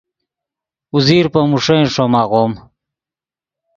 اوزیر پے موݰین ݰوم آغوم